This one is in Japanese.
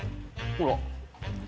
ほら！